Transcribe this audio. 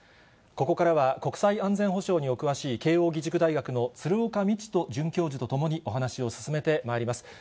ここからは、国際安全保障にお詳しい慶応義塾大学の鶴岡路人准教授とともにお話を進めてまいります。